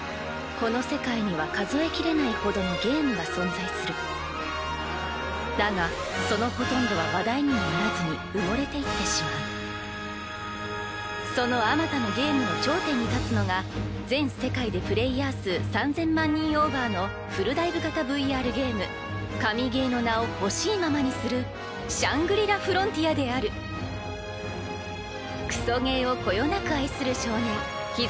この世界には数えきれないほどのゲームが存在するだがそのほとんどは話題にはならずに埋もれていってしまうそのあまたのゲームの頂点に立つのが全世界でプレイヤー数３０００万人オーバーのフルダイブ型ＶＲゲーム神ゲーの名を欲しいままにする「シャングリラ・フロンティア」であるクソゲーをこよなく愛する少年陽務